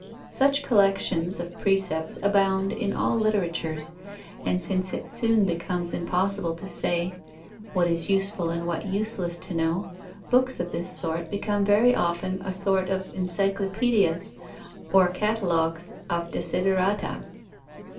Such collections of precepts abound in all literatures. And since it soon becomes impossible to say what is useful and what useless to know, books of this sort become very often a sort of encyclopaedias or catalogues of desiderata.